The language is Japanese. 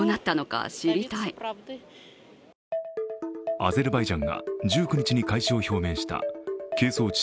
アゼルバイジャンが１９日に開始を表明した係争地